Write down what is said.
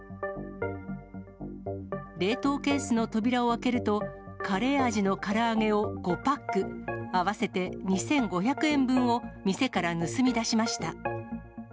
冷凍ケースの扉を開けると、カレー味のから揚げを５パック、合わせて２５００円分を店から盗み出しました。